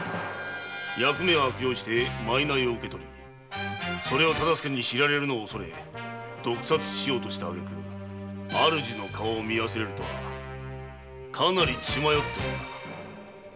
役目を悪用してワイロを受け取りそれを大岡に知られるを恐れ毒殺しようとしたあげく主の顔を見忘れるとはかなり血迷ったな。